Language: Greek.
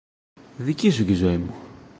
δική σου και η ζωή μου!